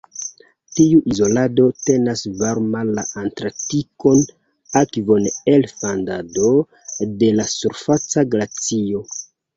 Tiu izolado tenas varma la Atlantikon Akvon el fandado de la surfaca glacio.